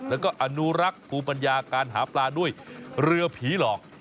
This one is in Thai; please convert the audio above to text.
แล้วก็อนุรักษ์ภูมิปัญญาการหาปลาด้วยเรือผีหลอก